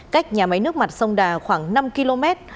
cách nhà máy nước mặt sông đà khoảng năm km